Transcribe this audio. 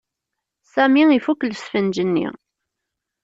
Sami ifuk lesfenǧ-nni.